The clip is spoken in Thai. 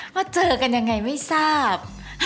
ว่าเจอกันยังไงไม่ทราบ